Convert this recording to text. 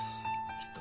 きっと。